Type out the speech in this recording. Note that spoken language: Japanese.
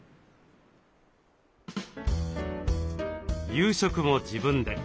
夕食も自分で。